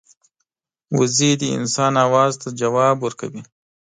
وزې د انسان آواز ته ځواب ورکوي